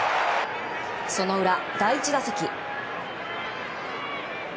その裏、第１打席。